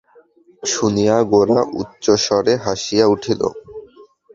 শুনিয়া গোরা উচ্চৈঃস্বরে হাসিয়া উঠিল।